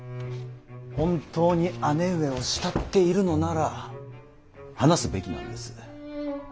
本当に姉上を慕っているのなら話すべきなんです。